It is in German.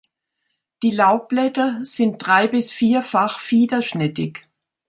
Die Laubblätter sind drei- bis vierfach fiederschnittig.